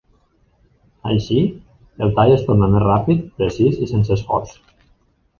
Així, el tall es torna més ràpid, precís i sense esforç.